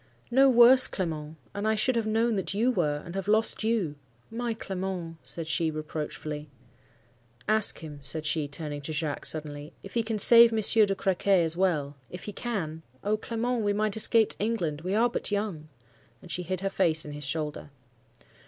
"'No worse, Clement! and I should have known what you were, and have lost you. My Clement!' said she, reproachfully. "'Ask him,' said she, turning to Jacques, suddenly, 'if he can save Monsieur de Crequy as well,—if he can?—O Clement, we might escape to England; we are but young.' And she hid her face on his shoulder.